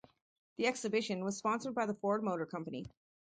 The exhibition was sponsored by the Ford Motor Company.